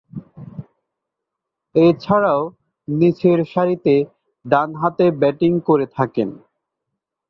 এছাড়াও, নিচেরসারিতে ডানহাতে ব্যাটিং করে থাকেন।